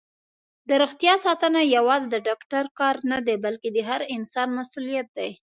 دروغتیا ساتنه یوازې د ډاکټر کار نه دی، بلکې د هر انسان مسؤلیت دی.